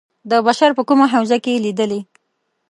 د بشر په کومه حوزه کې لېدلي.